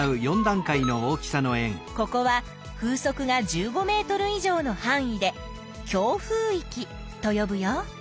ここは風速が１５ｍ以上のはん囲で強風いきとよぶよ。